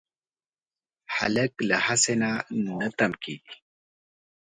هلک له هڅې نه نه تم کېږي.